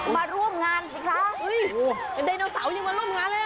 มาร่วมงานสิคะไดโนเสาร์ยังมาร่วมงานเลยอ่ะ